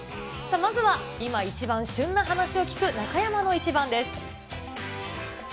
まずは今一番旬な話を聞く中山のイチバンです。